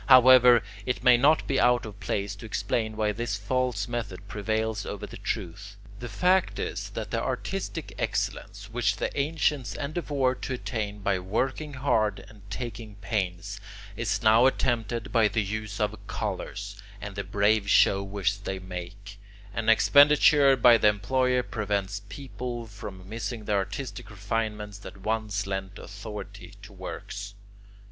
However, it may not be out of place to explain why this false method prevails over the truth. The fact is that the artistic excellence which the ancients endeavoured to attain by working hard and taking pains, is now attempted by the use of colours and the brave show which they make, and expenditure by the employer prevents people from missing the artistic refinements that once lent authority to works.